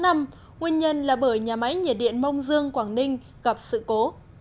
nguyên nhân là bởi nhà máy nhiệt điện mông dương quảng ninh gặp sự cố